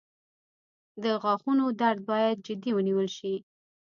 • د غاښونو درد باید جدي ونیول شي.